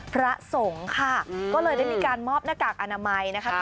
พระสงฆ์ค่ะก็เลยได้มีการมอบหน้ากากอนามัยนะคะ